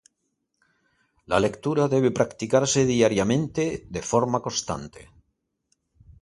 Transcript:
La lectura debe practicarse diariamente, de forma constante.